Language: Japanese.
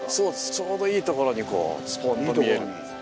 ちょうどいいところにこうスポンと見えるんですよ。